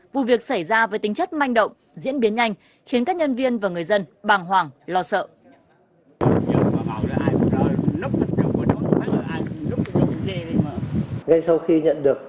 vụ việc xảy ra với tính chất manh động diễn biến nhanh khiến các nhân viên và người dân bàng hoàng lo sợ